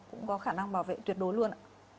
cũng có khả năng bảo vệ tuyệt đối luôn